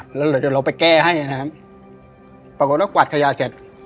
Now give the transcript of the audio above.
แล้วเดี๋ยวเราไปแก้ให้นะครับปรากฏว่ากวาดขยะเสร็จ